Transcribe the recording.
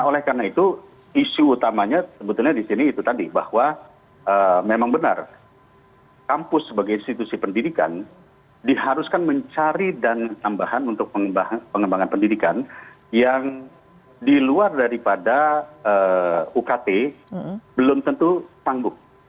oleh karena itu isu utamanya sebetulnya di sini itu tadi bahwa memang benar kampus sebagai institusi pendidikan diharuskan mencari dana tambahan untuk pengembangan pendidikan yang di luar daripada ukt belum tentu tangguh